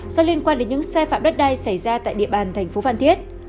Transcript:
do liên quan đến những sai phạm đất đai xảy ra tại địa bàn thành phố phan thiết